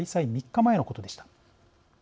３日前のことでした。